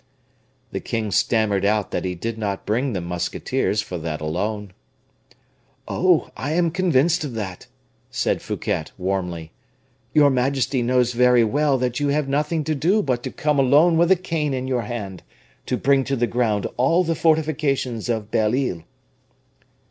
The king stammered out that he did not bring the musketeers for that alone. "Oh, I am convinced of that," said Fouquet, warmly; "your majesty knows very well that you have nothing to do but to come alone with a cane in your hand, to bring to the ground all the fortifications of Belle Isle."